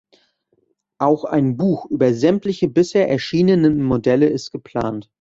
Auch ein Buch über sämtliche bisher erschienenen Modelle ist geplant.